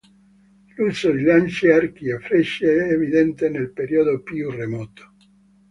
L'uso di lance, archi e frecce è evidente nel periodo più remoto.